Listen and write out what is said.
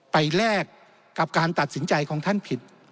แลกกับการตัดสินใจของท่านผิด